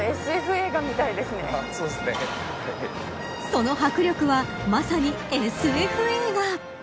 その迫力は、まさにＳＦ映画。